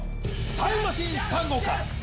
タイムマシーン３号か？